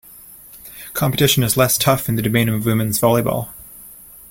Competition is less tough in the domain of women's volleyball.